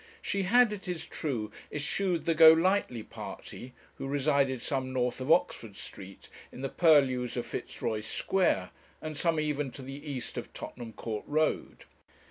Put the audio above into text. She had, it is true, eschewed the Golightly party, who resided some north of Oxford Street, in the purlieus of Fitzroy Square, and some even to the east of Tottenham Court Road.